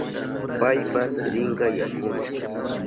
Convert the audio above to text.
Paypas rinka yakuma.